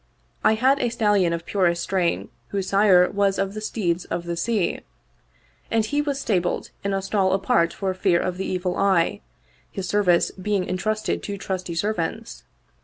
I had a stallion of purest strain whose sire was of the steeds of the sea ; and he was stabled in a stall apart for fear of the evil eye, his service being intrusted to trusty servants.